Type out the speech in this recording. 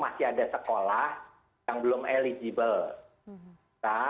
masih ada sekolah yang belum eligible